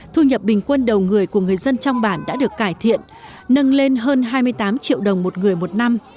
thu nhập bình quân đầu người của người dân trong bản đã được cải thiện nâng lên hơn hai mươi tám triệu đồng một người một năm